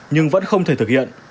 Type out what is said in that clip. nhưng vẫn không thể thực hiện